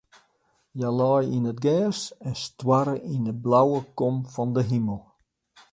Hja lei yn it gers en stoarre yn de blauwe kom fan de himel.